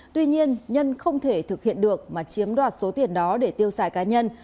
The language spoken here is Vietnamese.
tuy nhiên nhân không thể thực hiện được mà chiếm đoạt số tiền đó để tiêu xài cá nhân